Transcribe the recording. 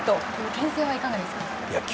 牽制はいかがですか？